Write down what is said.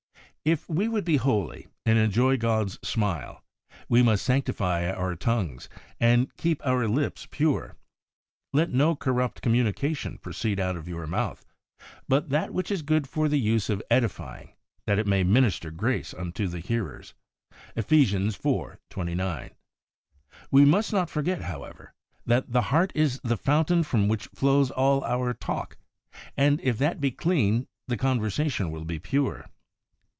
If we would be holy, and enjoy God's smile, we must sanctify our tongues, and keep our lips pure. ' Let no corrupt com munication proceed out of your mouth, but that which is good for the use of edifying, that it may minister grace unto the hearers' (Eph. iv. 29). We must not forget, how ever, that the heart is the fountain from which flows all our talk, and if that be clean the conversation will be pure.